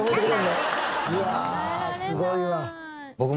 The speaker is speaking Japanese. うわあすごいわ。